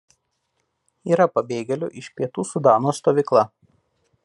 Yra pabėgėlių iš Pietų Sudano stovykla.